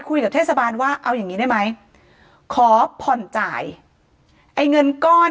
คุยกับเทศบาลว่าเอาอย่างงี้ได้ไหมขอผ่อนจ่ายไอ้เงินก้อน